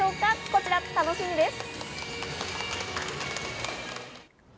こちら楽しみです。